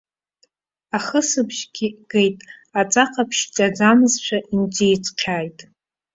Ахысбжьгьы геит, аҵәа ҟаԥшь ҿаӡамызшәа инҿицҟьааит.